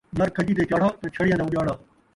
نر کھجی تے چاڑھا تاں چھڑیاں دا اڄاڑا